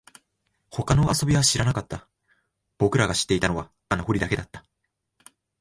他の遊びは知らなかった、僕らが知っていたのは穴掘りだけだった